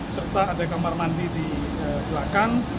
serta ada kamar mandi di belakang